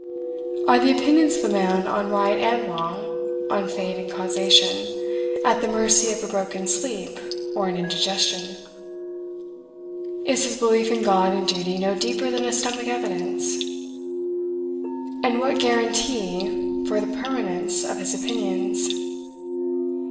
Are the opinions of a man on right and wrong, on fate and causation, at the mercy of a broken sleep or an indigestion? Is his belief in God and Duty no deeper than a stomach evidence? And what guaranty for the permanence of his opinions?